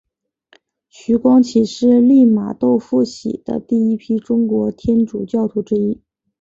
徐光启是利玛窦付洗的第一批中国天主教徒之一。